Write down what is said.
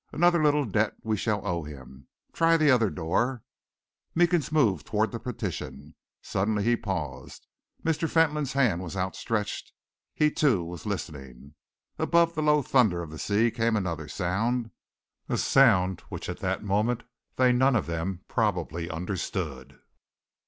"Another little debt we shall owe him! Try the other door." Meekins moved towards the partition. Suddenly he paused. Mr. Fentolin's hand was outstretched; he, too, was listening. Above the low thunder of the sea came another sound, a sound which at that moment they none of them probably understood.